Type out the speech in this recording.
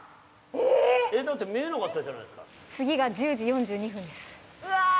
えっだって見えなかったじゃないですか。